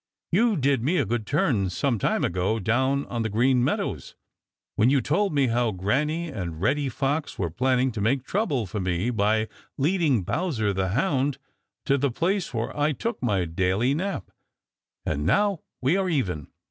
"You did me a good turn some time ago down on the Green Meadows, when you told me how Granny and Reddy Fox were planning to make trouble for me by leading Bowser the Hound to the place where I took my daily nap, and now we are even.